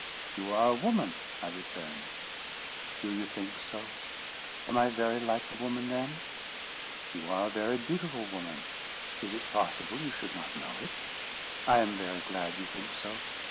"You are a woman," I returned. "Do you think so? Am I very like a woman then?" "You are a very beautiful woman. Is it possible you should not know it?" "I am very glad you think so.